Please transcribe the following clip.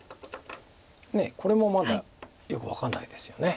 ねえこれもまだよく分かんないですよね。